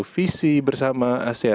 visi bersama asean